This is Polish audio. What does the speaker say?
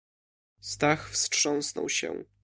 "Stach wstrząsnął się."